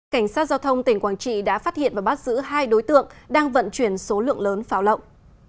cảnh sát giao thông tỉnh quảng trị đã phát hiện và bắt giữ hai đối tượng đang vận chuyển số lượng lớn pháo lộng